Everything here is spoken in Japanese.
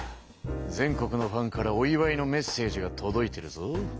全国のファンからお祝いのメッセージがとどいてるぞ。